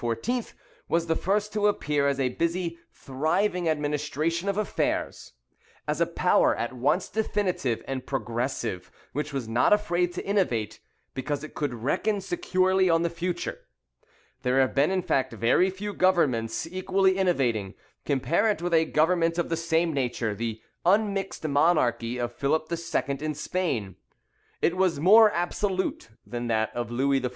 was the first to appear as a busy thriving administration of affairs, as a power at once definitive and progressive, which was not afraid to innovate, because it could reckon securely on the future. There have been in fact very few governments equally innovating. Compare it with a government of the same nature, the unmixed monarchy of Philip II. in Spain; it was more absolute than that of Louis XIV.